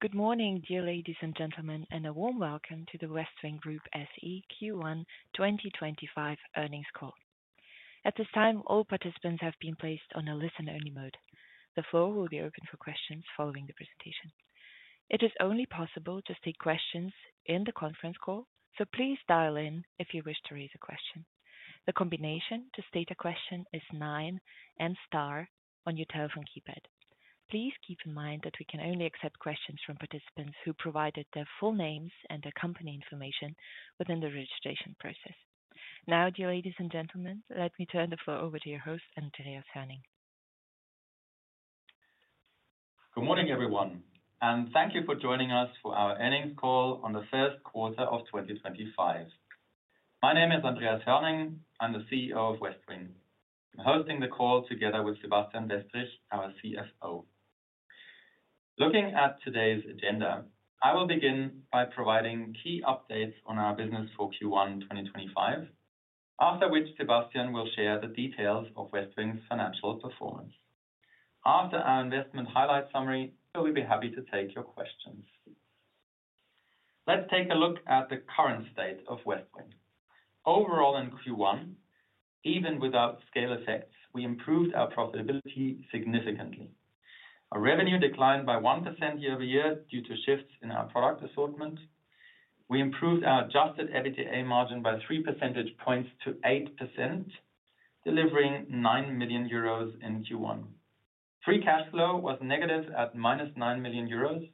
Good morning, dear ladies and gentlemen, and a warm welcome to the Westwing Group SE Q1 2025 earnings call. At this time, all participants have been placed on a listen-only mode. The floor will be open for questions following the presentation. It is only possible to state questions in the conference call, so please dial in if you wish to raise a question. The combination to state a question is nine and star on your telephone keypad. Please keep in mind that we can only accept questions from participants who provided their full names and their company information within the registration process. Now, dear ladies and gentlemen, let me turn the floor over to your Andreas Hoerning. Good morning, everyone, and thank you for joining us for our earnings call on the first quarter of 2025. My name Andreas Hoerning. I'm the CEO of Westwing. I'm hosting the call together with Sebastian Westrich, our CFO. Looking at today's agenda, I will begin by providing key updates on our business for Q1 2025, after which Sebastian will share the details of Westwing's financial performance. After our investment highlight summary, we'll be happy to take your questions. Let's take a look at the current state of Westwing. Overall, in Q1, even without scale effects, we improved our profitability significantly. Our revenue declined by 1% year-over-year due to shifts in our product assortment. We improved our adjusted EBITDA margin by 3 percentage points to 8%, delivering 9 million euros in Q1. Free cash flow was negative at minus 9 million euros,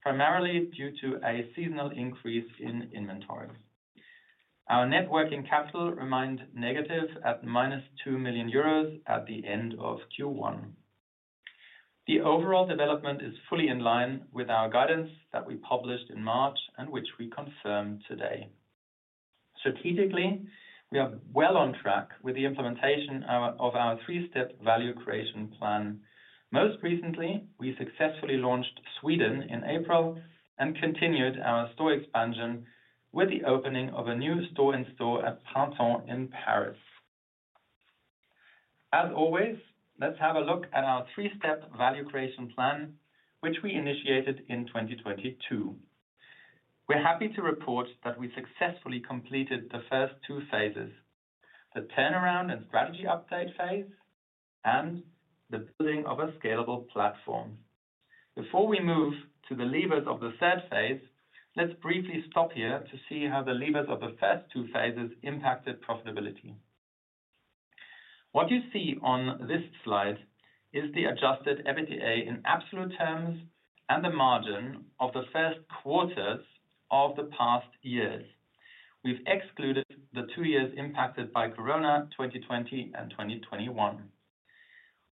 primarily due to a seasonal increase in inventories. Our net working capital remained negative at minus 2 million euros at the end of Q1. The overall development is fully in line with our guidance that we published in March and which we confirm today. Strategically, we are well on track with the implementation of our three-step value creation plan. Most recently, we successfully launched Sweden in April and continued our store expansion with the opening of a new store-in-store at Printemps in Paris. As always, let's have a look at our three-step value creation plan, which we initiated in 2022. We're happy to report that we successfully completed the first two phases: the turnaround and strategy update phase, and the building of a scalable platform. Before we move to the levers of the third phase, let's briefly stop here to see how the levers of the first two phases impacted profitability. What you see on this slide is the adjusted EBITDA in absolute terms and the margin of the first quarters of the past years. We've excluded the two years impacted by Corona, 2020 and 2021.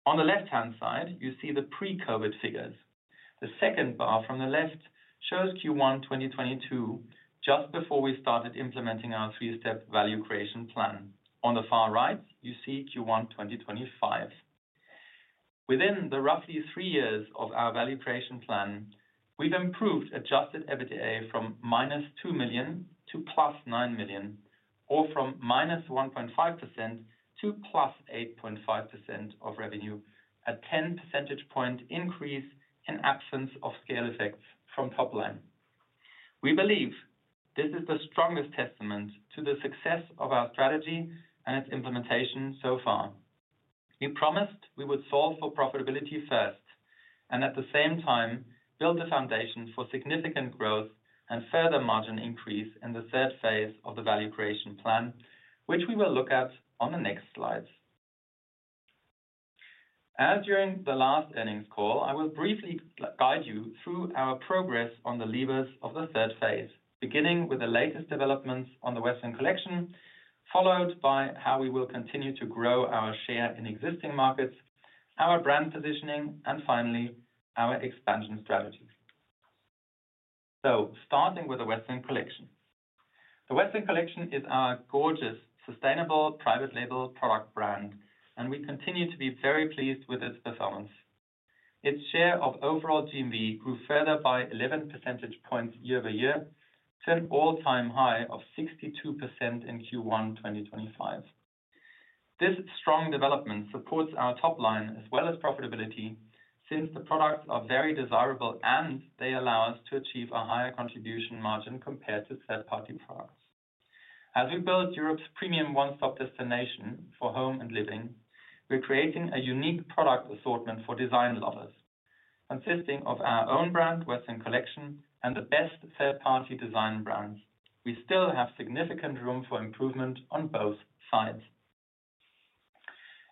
On the left-hand side, you see the pre-COVID figures. The second bar from the left shows Q1 2022, just before we started implementing our three-step value creation plan. On the far right, you see Q1 2025. Within the roughly three years of our value creation plan, we've improved adjusted EBITDA from minus 2 million to plus 9 million, or from minus 1.5% to plus 8.5% of revenue, a 10 percentage point increase in absence of scale effects from top line. We believe this is the strongest testament to the success of our strategy and its implementation so far. We promised we would solve for profitability first and at the same time build the foundation for significant growth and further margin increase in the third phase of the value creation plan, which we will look at on the next slides. As during the last earnings call, I will briefly guide you through our progress on the levers of the third phase, beginning with the latest developments on the Westwing Collection, followed by how we will continue to grow our share in existing markets, our brand positioning, and finally, our expansion strategy. Starting with the Westwing Collection. The Westwing Collection is our gorgeous sustainable private label product brand, and we continue to be very pleased with its performance. Its share of overall GMV grew further by 11 percentage points year-over-year to an all-time high of 62% in Q1 2025. This strong development supports our top line as well as profitability since the products are very desirable and they allow us to achieve a higher contribution margin compared to third-party products. As we build Europe's premium one-stop destination for home and living, we're creating a unique product assortment for design lovers. Consisting of our own brand, Westwing Collection, and the best third-party design brands, we still have significant room for improvement on both sides.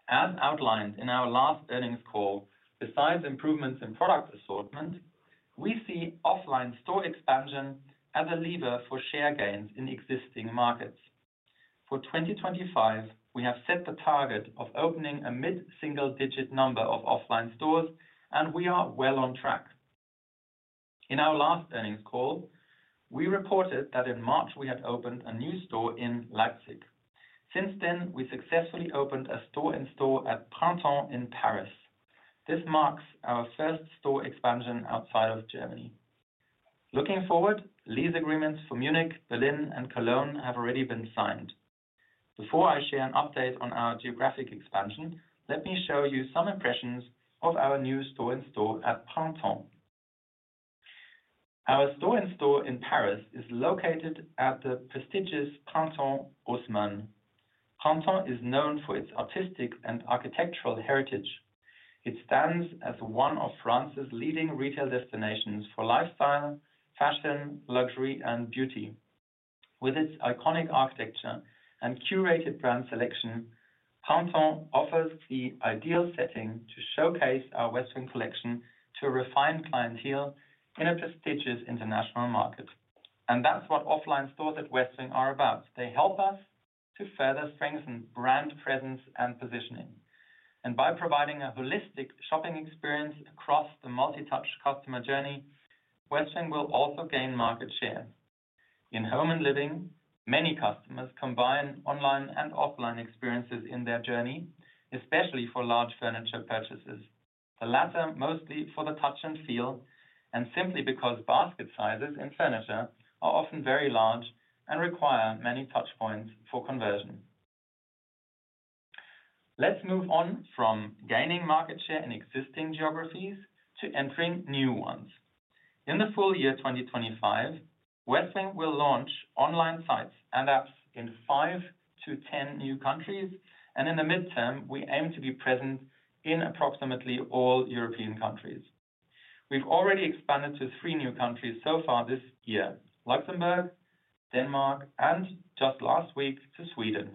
As outlined in our last earnings call, besides improvements in product assortment, we see offline store expansion as a lever for share gains in existing markets. For 2025, we have set the target of opening a mid-single-digit number of offline stores, and we are well on track. In our last earnings call, we reported that in March we had opened a new store in Leipzig. Since then, we successfully opened a store-in-store at Printemps in Paris. This marks our first store expansion outside of Germany. Looking forward, lease agreements for Munich, Berlin, and Cologne have already been signed. Before I share an update on our geographic expansion, let me show you some impressions of our new store-in-store at Printemps. Our store-in-store in Paris is located at the prestigious Printemps Haussmann. Printemps is known for its artistic and architectural heritage. It stands as one of France's leading retail destinations for lifestyle, fashion, luxury, and beauty. With its iconic architecture and curated brand selection, Printemps offers the ideal setting to showcase our Westwing Collection to a refined clientele in a prestigious international market. That is what offline stores at Westwing are about. They help us to further strengthen brand presence and positioning. By providing a holistic shopping experience across the multi-touch customer journey, Westwing will also gain market share. In home and living, many customers combine online and offline experiences in their journey, especially for large furniture purchases. The latter mostly for the touch and feel, and simply because basket sizes in furniture are often very large and require many touch points for conversion. Let's move on from gaining market share in existing geographies to entering new ones. In the full year 2025, Westwing will launch online sites and apps in five to 10 new countries, and in the midterm, we aim to be present in approximately all European countries. We've already expanded to three new countries so far this year: Luxembourg, Denmark, and just last week to Sweden.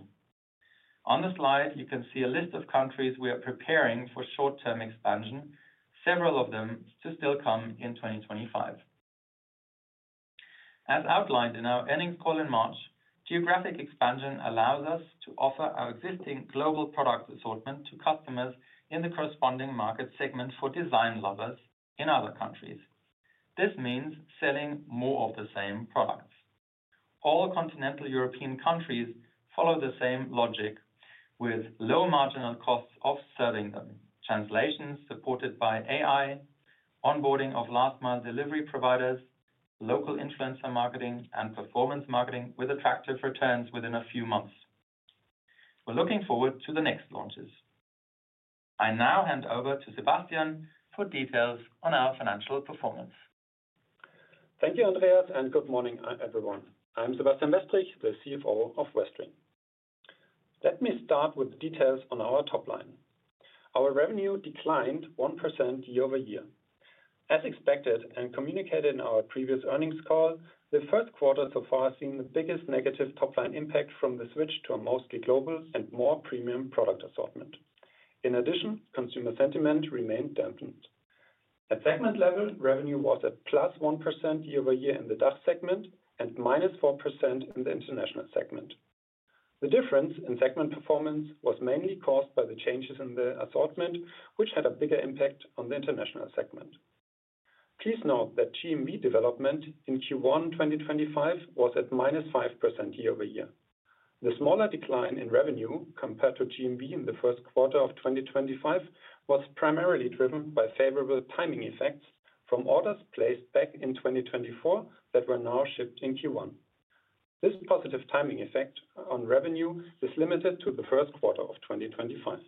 On the slide, you can see a list of countries we are preparing for short-term expansion, several of them to still come in 2025. As outlined in our earnings call in March, geographic expansion allows us to offer our existing global product assortment to customers in the corresponding market segment for design lovers in other countries. This means selling more of the same products. All continental European countries follow the same logic with low marginal costs of serving them, translations supported by AI, onboarding of last-mile delivery providers, local influencer marketing, and performance marketing with attractive returns within a few months. We're looking forward to the next launches. I now hand over to Sebastian for details on our financial performance. Thank you, Andreas, and good morning, everyone. I'm Sebastian Westrich, the CFO of Westwing. Let me start with details on our top line. Our revenue declined 1% year-over-year. As expected and communicated in our previous earnings call, the first quarter so far has seen the biggest negative top line impact from the switch to a mostly global and more premium product assortment. In addition, consumer sentiment remained dampened. At segment level, revenue was at plus 1% year-over-year in the DACH segment and minus 4% in the international segment. The difference in segment performance was mainly caused by the changes in the assortment, which had a bigger impact on the international segment. Please note that GMV development in Q1 2025 was at minus 5% year-over-year. The smaller decline in revenue compared to GMV in the first quarter of 2025 was primarily driven by favorable timing effects from orders placed back in 2024 that were now shipped in Q1. This positive timing effect on revenue is limited to the first quarter of 2025.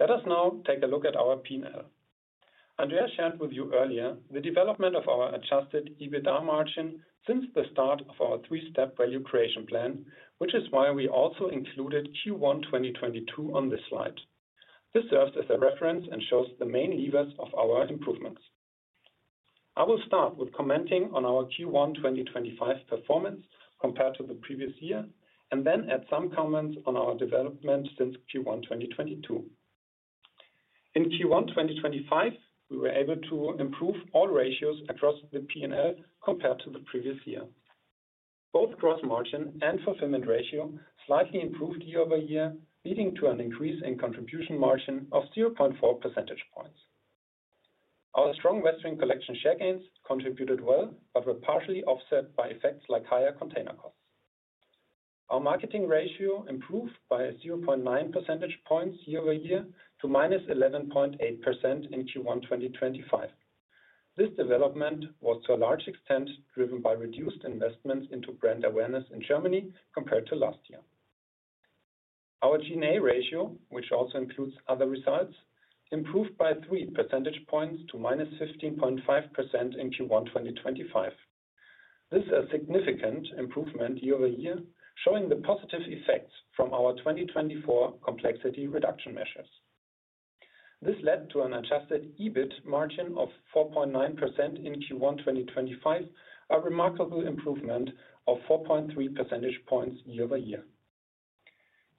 Let us now take a look at our P&L. Andreas shared with you earlier the development of our adjusted EBITDA margin since the start of our three-step value creation plan, which is why we also included Q1 2022 on this slide. This serves as a reference and shows the main levers of our improvements. I will start with commenting on our Q1 2025 performance compared to the previous year and then add some comments on our development since Q1 2022. In Q1 2025, we were able to improve all ratios across the P&L compared to the previous year. Both gross margin and fulfillment ratio slightly improved year-over-year, leading to an increase in contribution margin of 0.4 percentage points. Our strong Westwing Collection share gains contributed well but were partially offset by effects like higher container costs. Our marketing ratio improved by 0.9 percentage points year-over-year to -11.8% in Q1 2025. This development was to a large extent driven by reduced investments into brand awareness in Germany compared to last year. Our G&A ratio, which also includes other results, improved by 3 percentage points to -15.5% in Q1 2025. This is a significant improvement year-over-year, showing the positive effects from our 2024 complexity reduction measures. This led to an adjusted EBIT margin of 4.9% in Q1 2025, a remarkable improvement of 4.3 percentage points year-over-year.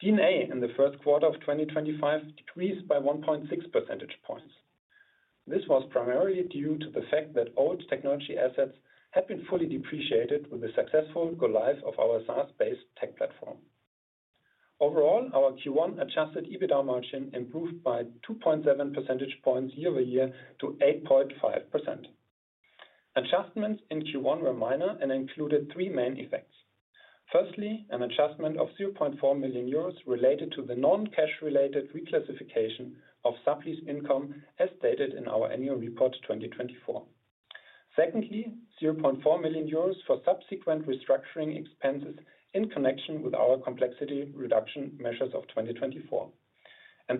G&A in the first quarter of 2025 decreased by 1.6 percentage points. This was primarily due to the fact that old technology assets had been fully depreciated with the successful go live of our SaaS-based tech platform. Overall, our Q1 adjusted EBITDA margin improved by 2.7 percentage points year-over-year to 8.5%. Adjustments in Q1 were minor and included three main effects. Firstly, an adjustment of 0.4 million euros related to the non-cash related reclassification of sublease income, as stated in our annual report 2024. Secondly, 0.4 million euros for subsequent restructuring expenses in connection with our complexity reduction measures of 2024.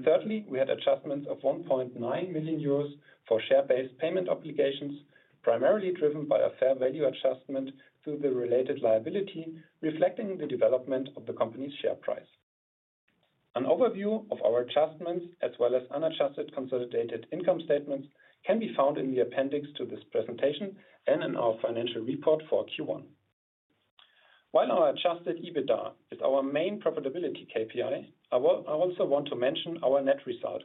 Thirdly, we had adjustments of 1.9 million euros for share-based payment obligations, primarily driven by a fair value adjustment through the related liability, reflecting the development of the company's share price. An overview of our adjustments, as well as unadjusted consolidated income statements, can be found in the appendix to this presentation and in our financial report for Q1. While our adjusted EBITDA is our main profitability KPI, I also want to mention our net result.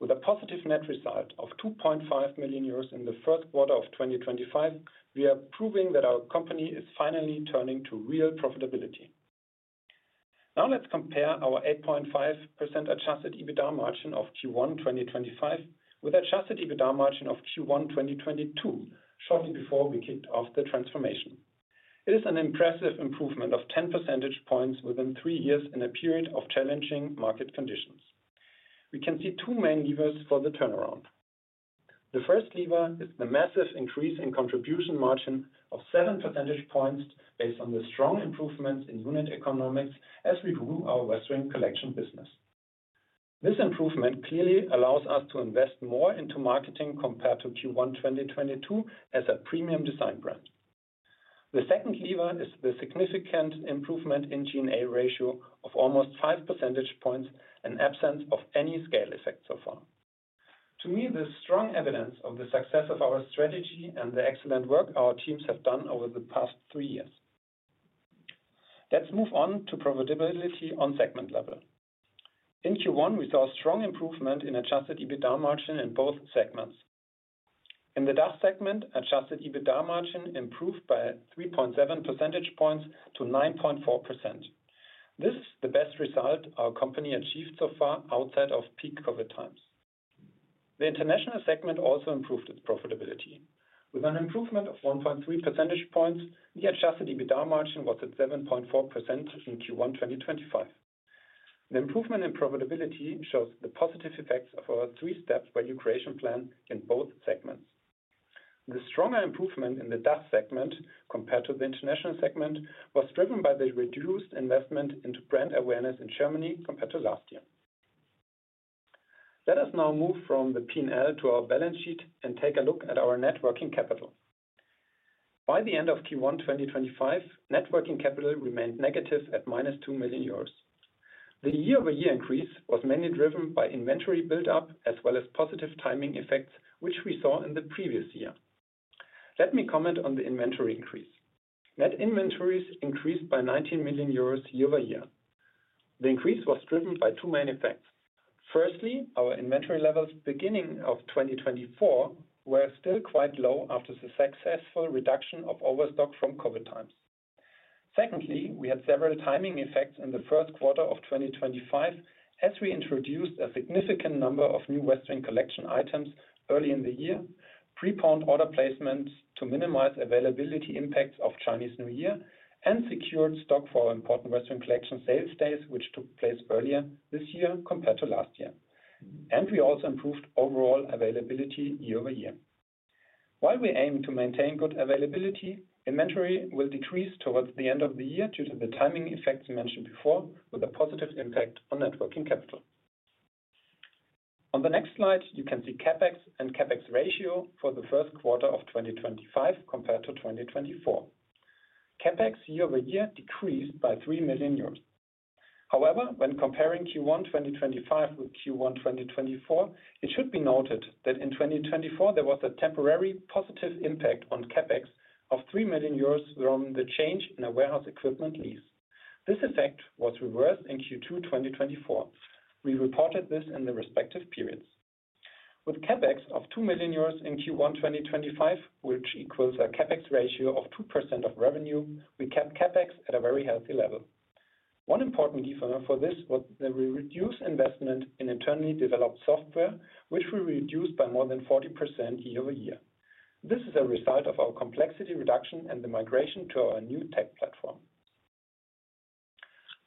With a positive net result of 2.5 million euros in the first quarter of 2025, we are proving that our company is finally turning to real profitability. Now let's compare our 8.5% adjusted EBITDA margin of Q1 2025 with adjusted EBITDA margin of Q1 2022, shortly before we kicked off the transformation. It is an impressive improvement of 10 percentage points within three years in a period of challenging market conditions. We can see two main levers for the turnaround. The first lever is the massive increase in contribution margin of 7 percentage points based on the strong improvements in unit economics as we grew our Westwing Collection business. This improvement clearly allows us to invest more into marketing compared to Q1 2022 as a premium design brand. The second lever is the significant improvement in G&A ratio of almost 5 percentage points and absence of any scale effect so far. To me, this is strong evidence of the success of our strategy and the excellent work our teams have done over the past three years. Let's move on to profitability on segment level. In Q1, we saw strong improvement in adjusted EBITDA margin in both segments. In the DACH segment, adjusted EBITDA margin improved by 3.7 percentage points to 9.4%. This is the best result our company achieved so far outside of peak COVID times. The international segment also improved its profitability. With an improvement of 1.3 percentage points, the adjusted EBITDA margin was at 7.4% in Q1 2025. The improvement in profitability shows the positive effects of our three-step value creation plan in both segments. The stronger improvement in the DACH segment compared to the international segment was driven by the reduced investment into brand awareness in Germany compared to last year. Let us now move from the P&L to our balance sheet and take a look at our net working capital. By the end of Q1 2025, net working capital remained negative at minus 2 million euros. The year-over-year increase was mainly driven by inventory build-up as well as positive timing effects, which we saw in the previous year. Let me comment on the inventory increase. Net inventories increased by 19 million euros year-over-year. The increase was driven by two main effects. Firstly, our inventory levels beginning of 2024 were still quite low after the successful reduction of overstock from COVID times. Secondly, we had several timing effects in the first quarter of 2025 as we introduced a significant number of new Westwing Collection items early in the year, preponed order placements to minimize availability impacts of Chinese New Year, and secured stock for important Westwing Collection sales days, which took place earlier this year compared to last year. We also improved overall availability year-over-year. While we aim to maintain good availability, inventory will decrease towards the end of the year due to the timing effects mentioned before, with a positive impact on net working capital. On the next slide, you can see CapEx and CapEx ratio for the first quarter of 2025 compared to 2024. CapEx year-over-year decreased by 3 million euros. However, when comparing Q1 2025 with Q1 2024, it should be noted that in 2024 there was a temporary positive impact on CapEx of 3 million euros from the change in a warehouse equipment lease. This effect was reversed in Q2 2024. We reported this in the respective periods. With CapEx of 2 million euros in Q1 2025, which equals a CapEx ratio of 2% of revenue, we kept CapEx at a very healthy level. One important lever for this was the reduced investment in internally developed software, which we reduced by more than 40% year-over-year. This is a result of our complexity reduction and the migration to our new tech platform.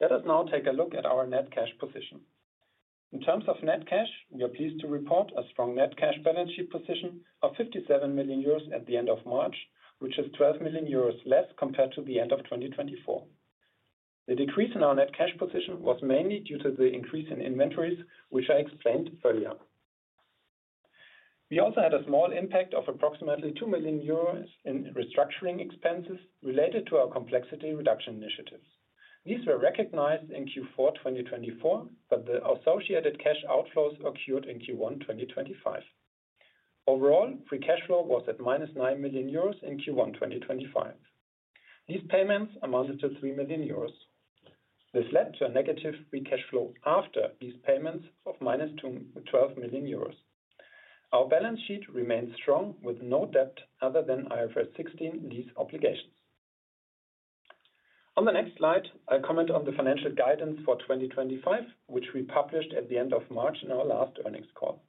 Let us now take a look at our net cash position. In terms of net cash, we are pleased to report a strong net cash balance sheet position of 57 million euros at the end of March, which is 12 million euros less compared to the end of 2024. The decrease in our net cash position was mainly due to the increase in inventories, which I explained earlier. We also had a small impact of approximately 2 million euros in restructuring expenses related to our complexity reduction initiatives. These were recognized in Q4 2024, but the associated cash outflows occurred in Q1 2025. Overall, free cash flow was at minus 9 million euros in Q1 2025. These payments amounted to 3 million euros. This led to a negative free cash flow after these payments of minus 12 million euros. Our balance sheet remains strong with no debt other than IFRS 16 lease obligations. On the next slide, I'll comment on the financial guidance for 2025, which we published at the end of March in our last earnings call.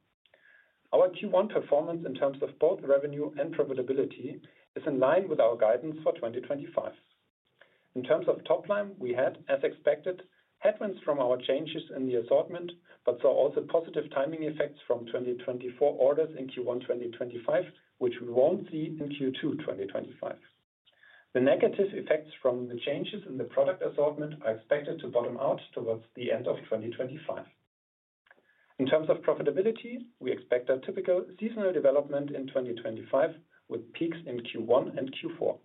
Our Q1 performance in terms of both revenue and profitability is in line with our guidance for 2025. In terms of top line, we had, as expected, headwinds from our changes in the assortment, but saw also positive timing effects from 2024 orders in Q1 2025, which we won't see in Q2 2025. The negative effects from the changes in the product assortment are expected to bottom out towards the end of 2025. In terms of profitability, we expect a typical seasonal development in 2025 with peaks in Q1 and Q4.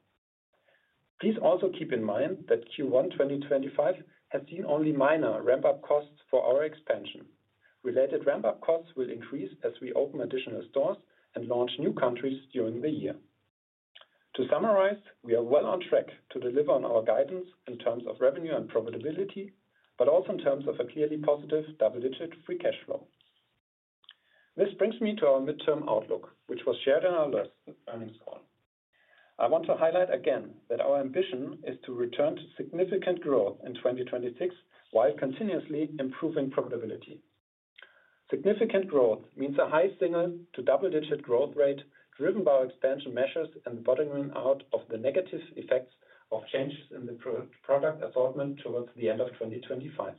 Please also keep in mind that Q1 2025 has seen only minor ramp-up costs for our expansion. Related ramp-up costs will increase as we open additional stores and launch new countries during the year. To summarize, we are well on track to deliver on our guidance in terms of revenue and profitability, but also in terms of a clearly positive double-digit free cash flow. This brings me to our midterm outlook, which was shared in our last earnings call. I want to highlight again that our ambition is to return to significant growth in 2026 while continuously improving profitability. Significant growth means a high single to double-digit growth rate driven by expansion measures and the bottoming out of the negative effects of changes in the product assortment towards the end of 2025.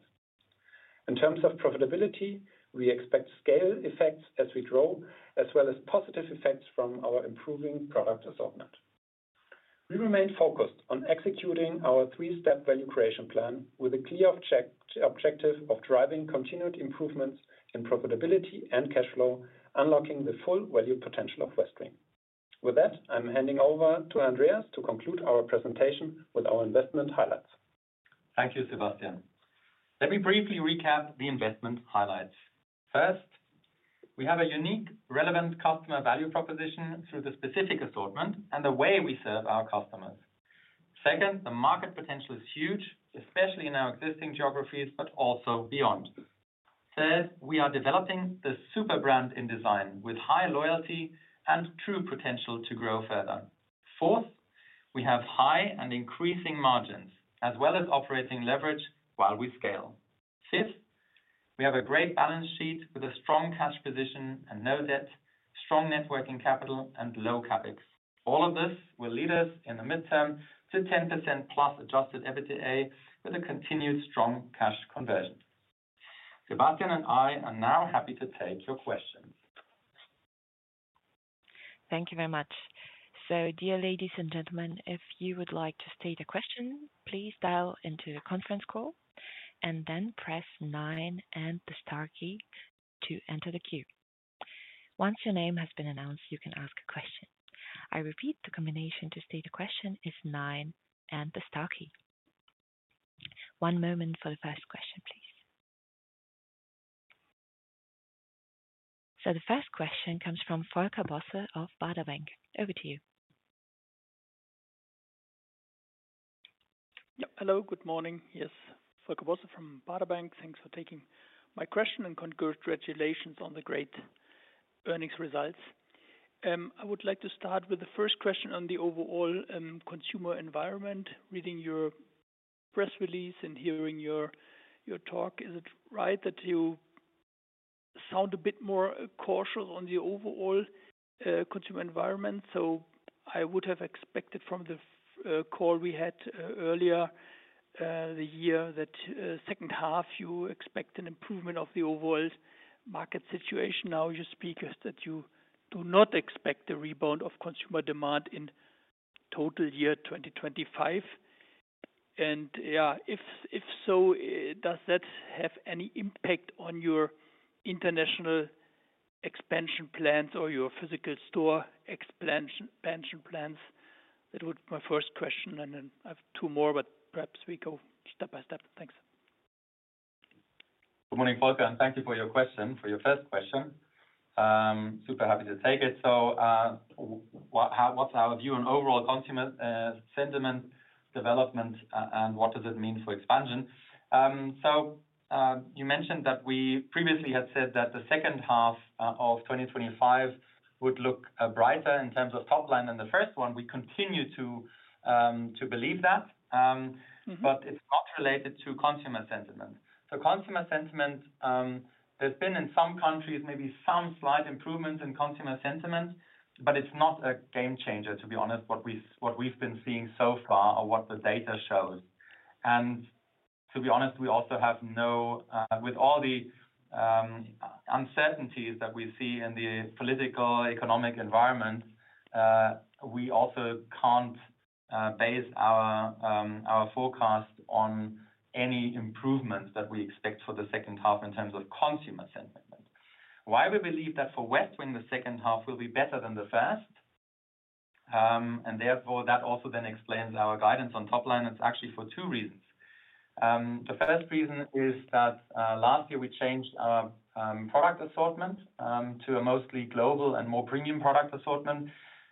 In terms of profitability, we expect scale effects as we grow, as well as positive effects from our improving product assortment. We remain focused on executing our three-step value creation plan with a clear objective of driving continued improvements in profitability and cash flow, unlocking the full value potential of Westwing. With that, I'm handing over to Andreas to conclude our presentation with our investment highlights. Thank you, Sebastian. Let me briefly recap the investment highlights. First, we have a unique, relevant customer value proposition through the specific assortment and the way we serve our customers. Second, the market potential is huge, especially in our existing geographies, but also beyond. Third, we are developing the super brand in design with high loyalty and true potential to grow further. Fourth, we have high and increasing margins as well as operating leverage while we scale. Fifth, we have a great balance sheet with a strong cash position and no debt, strong net working capital, and low CapEx. All of this will lead us in the midterm to 10% plus adjusted EBITDA with a continued strong cash conversion. Sebastian and I are now happy to take your questions. Thank you very much. Dear ladies and gentlemen, if you would like to state a question, please dial into the conference call and then press nine and the star key to enter the queue. Once your name has been announced, you can ask a question. I repeat, the combination to state a question is nine and the star key. One moment for the first question, please. The first question comes from Volker Bosse of Baader Bank. Over to you. Hello, good morning. Yes, Volker Bosse from Baader Bank. Thanks for taking my question and congratulations on the great earnings results. I would like to start with the first question on the overall consumer environment. Reading your press release and hearing your talk, is it right that you sound a bit more cautious on the overall consumer environment? I would have expected from the call we had earlier the year that second half you expect an improvement of the overall market situation. Now, you speak that you do not expect a rebound of consumer demand in total year 2025. If so, does that have any impact on your international expansion plans or your physical store expansion plans? That would be my first question, and then I have two more, but perhaps we go step by step. Thanks. Good morning, Volker. Thank you for your question, for your first question. Super happy to take it. What's our view on overall consumer sentiment development, and what does it mean for expansion? You mentioned that we previously had said that the second half of 2025 would look brighter in terms of top line than the first one. We continue to believe that, but it's not related to consumer sentiment. Consumer sentiment, there's been in some countries maybe some slight improvements in consumer sentiment, but it's not a game changer, to be honest, what we've been seeing so far or what the data shows. To be honest, we also have no, with all the uncertainties that we see in the political economic environment, we also can't base our forecast on any improvements that we expect for the second half in terms of consumer sentiment. Why we believe that for Westwing, the second half will be better than the first, and therefore that also then explains our guidance on top line. It's actually for two reasons. The first reason is that last year we changed our product assortment to a mostly global and more premium product assortment.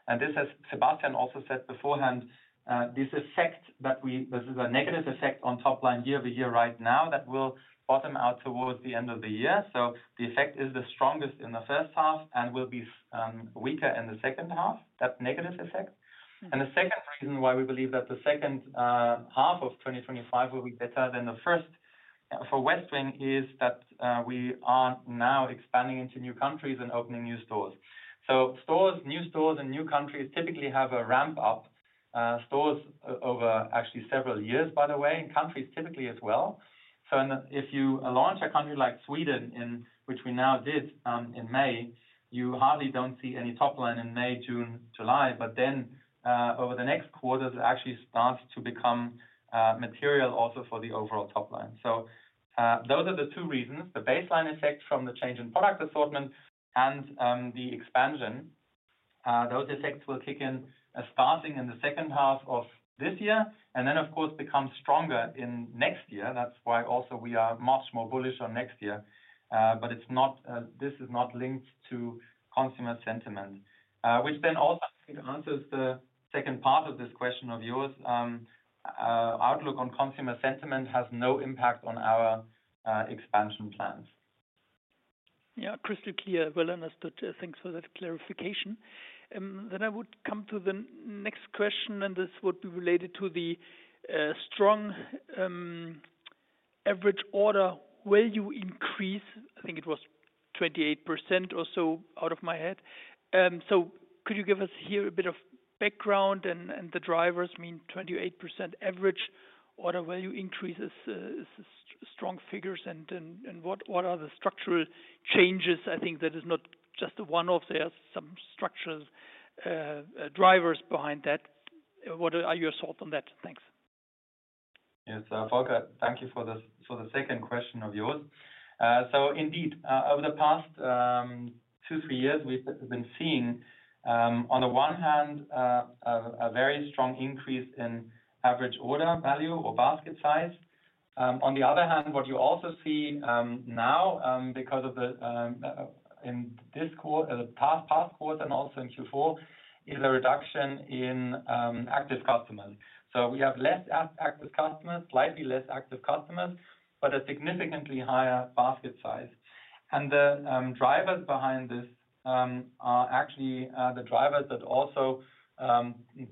This has, as Sebastian also said beforehand, this effect that we, this is a negative effect on top line year-over-year right now that will bottom out towards the end of the year. The effect is the strongest in the first half and will be weaker in the second half, that negative effect. The second reason why we believe that the second half of 2025 will be better than the first for Westwing is that we are now expanding into new countries and opening new stores. Stores, new stores in new countries typically have a ramp-up, stores over actually several years, by the way, in countries typically as well. If you launch a country like Sweden, which we now did in May, you hardly don't see any top line in May, June, July, but then over the next quarter, it actually starts to become material also for the overall top line. Those are the two reasons. The baseline effect from the change in product assortment and the expansion, those effects will kick in starting in the second half of this year and then, of course, become stronger in next year. That is why also we are much more bullish on next year. This is not linked to consumer sentiment, which then also answers the second part of this question of yours. Outlook on consumer sentiment has no impact on our expansion plans. Yeah, crystal clear, well understood. Thanks for that clarification. I would come to the next question, and this would be related to the strong average order value increase. I think it was 28% or so out of my head. Could you give us here a bit of background and the drivers? I mean, 28% average order value increase is strong figures. What are the structural changes? I think that is not just a one-off. There are some structural drivers behind that. What are your thoughts on that? Thanks. Volker, thank you for the second question of yours. Indeed, over the past two, three years, we have been seeing, on the one hand, a very strong increase in average order value or basket size. On the other hand, what you also see now, because of the past quarter and also in Q4, is a reduction in active customers. We have less active customers, slightly less active customers, but a significantly higher basket size. The drivers behind this are actually the drivers that also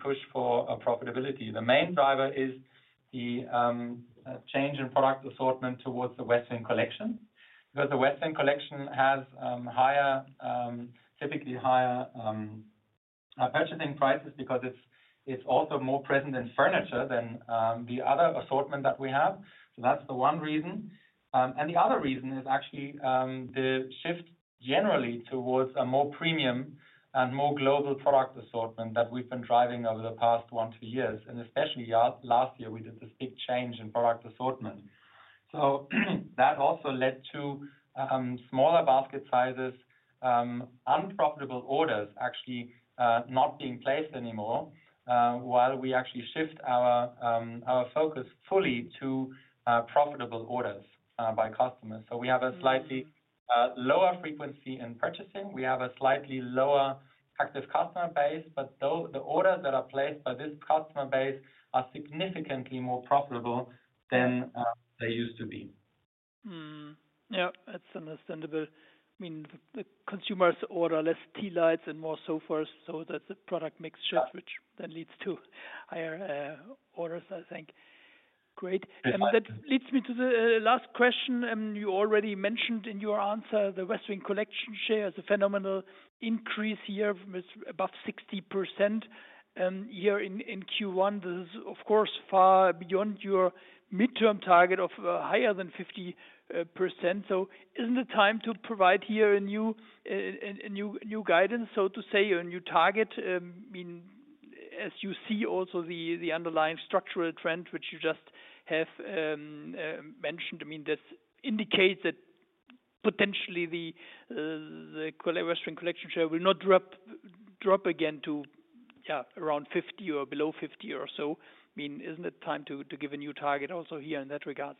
push for profitability. The main driver is the change in product assortment towards the Westwing Collection because the Westwing Collection has typically higher purchasing prices because it is also more present in furniture than the other assortment that we have. That is the one reason. The other reason is actually the shift generally towards a more premium and more global product assortment that we have been driving over the past one to two years. Especially last year, we did this big change in product assortment. That also led to smaller basket sizes, unprofitable orders actually not being placed anymore, while we actually shift our focus fully to profitable orders by customers. We have a slightly lower frequency in purchasing. We have a slightly lower active customer base, but the orders that are placed by this customer base are significantly more profitable than they used to be. Yeah, that's understandable. I mean, the consumers order less tea lights and more sofas, so that's a product mix shift, which then leads to higher orders, I think. Great. That leads me to the last question. You already mentioned in your answer the Westwing Collection share is a phenomenal increase here with above 60% here in Q1. This is, of course, far beyond your midterm target of higher than 50%. Isn't it time to provide here a new guidance, so to say, a new target? I mean, as you see also the underlying structural trend, which you just have mentioned, I mean, this indicates that potentially the Westwing Collection share will not drop again to around 50% or below 50% or so. I mean, isn't it time to give a new target also here in that regards?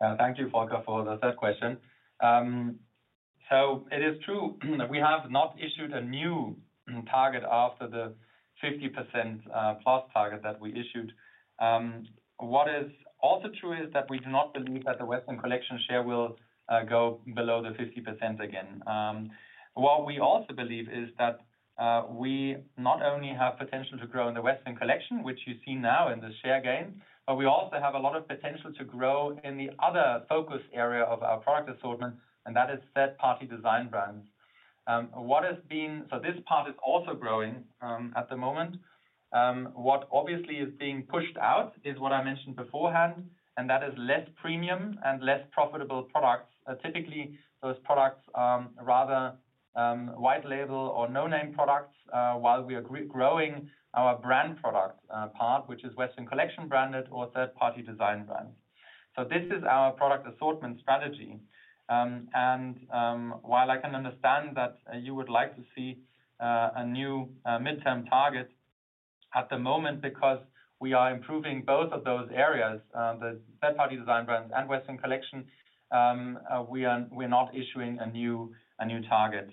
Thank you, Volker, for the third question. It is true that we have not issued a new target after the 50% plus target that we issued. What is also true is that we do not believe that the Westwing Collection share will go below the 50% again. What we also believe is that we not only have potential to grow in the Westwing Collection, which you see now in the share gain, but we also have a lot of potential to grow in the other focus area of our product assortment, and that is third-party design brands. What has been, so this part is also growing at the moment. What obviously is being pushed out is what I mentioned beforehand, and that is less premium and less profitable products. Typically, those products are rather white label or no-name products, while we are growing our brand product part, which is Westwing Collection branded or third-party design brands. This is our product assortment strategy. While I can understand that you would like to see a new midterm target at the moment because we are improving both of those areas, the third-party design brands and Westwing Collection, we are not issuing a new target.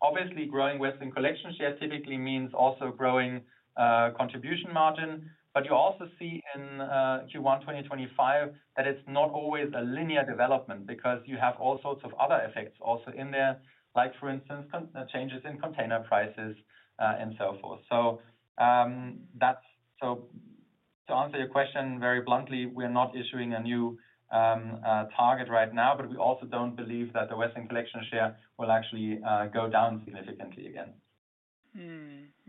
Obviously, growing Westwing Collection share typically means also growing contribution margin, but you also see in Q1 2025 that it is not always a linear development because you have all sorts of other effects also in there, like for instance, changes in container prices and so forth. To answer your question very bluntly, we are not issuing a new target right now, but we also do not believe that the Westwing Collection share will actually go down significantly again.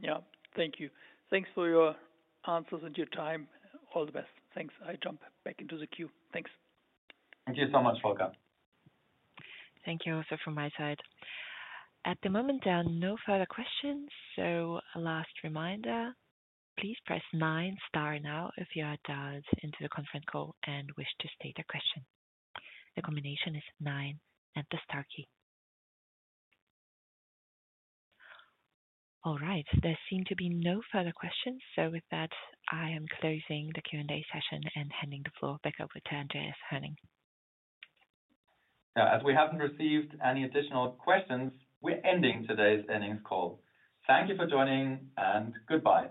Yeah, thank you. Thanks for your answers and your time. All the best. Thanks. I jump back into the queue. Thanks. Thank you so much, Volker. Thank you also from my side. At the moment, there are no further questions. A last reminder, please press nine, star now if you are dialed into the conference call and wish to state a question. The combination is nine and the star key. All right, there seem to be no further questions. With that, I am closing the Q&A session and handing the floor back over to Andreas Hoerning. As we have not received any additional questions, we are ending today's earnings call. Thank you for joining and goodbye.